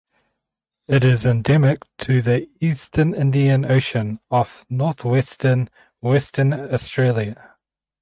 It is endemic to the eastern Indian Ocean off northwestern Western Australia.